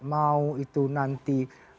mau itu nanti